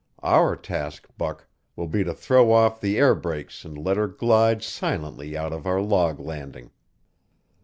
Our task, Buck, will be to throw off the airbrakes and let her glide silently out of our log landing.